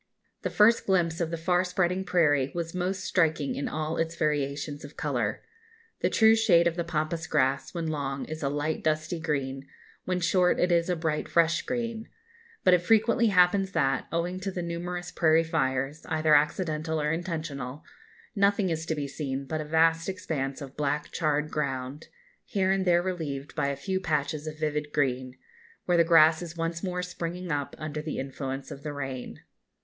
The first glimpse of the far spreading prairie was most striking in all its variations of colour. The true shade of the Pampas grass, when long, is a light dusty green; when short it is a bright fresh green. But it frequently happens that, owing to the numerous prairie fires, either accidental or intentional, nothing is to be seen but a vast expanse of black charred ground, here and there relieved by a few patches of vivid green, where the grass is once more springing up under the influence of the rain.